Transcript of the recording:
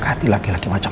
ah ngapain ya